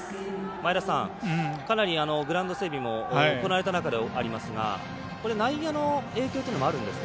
前田さん、グラウンド整備も行われた中ではありますが内野の影響というのはあるんですか？